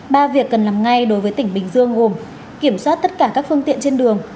ba việc cần làm ngay đối với tỉnh bình dương gồm kiểm soát tất cả các phương tiện trên đường